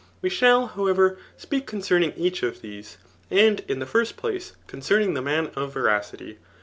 We s^l, however, speak concemipg each of these, and in ^e first place concerning the man of veracity.